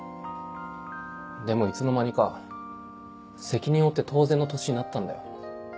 でもいつの間にか責任を負って当然の年になったんだよ。